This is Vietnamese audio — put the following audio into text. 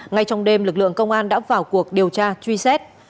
ngay trong đêm lực lượng công an đã vào cuộc điều tra truy xét